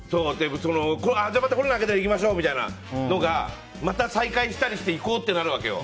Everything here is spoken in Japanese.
じゃあ、またコロナ明けたら行きましょうみたいなのがまた、再開したりして行こうってなるわけよ。